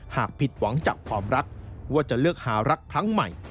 หากผิดหวังจากความรักว่าจะเลือกหารักครั้งใหม่